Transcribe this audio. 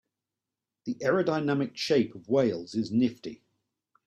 The aerodynamic shape of whales is nifty.